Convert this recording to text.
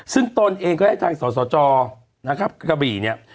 ซึ่งตนเองก็ให้ทางสสจนะครับกระบี่เนี่ย